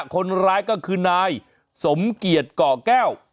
คนร้ายก็คือนายสมเกียจก่อแก้ว